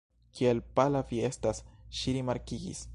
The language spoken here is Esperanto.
Kiel pala vi estas, ŝi rimarkigis.